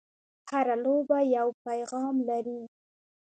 هره لوبه یو پیغام لري.